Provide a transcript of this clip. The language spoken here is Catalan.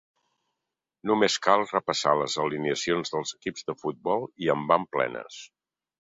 Només cal repassar les alineacions dels equips de futbol i en van plenes.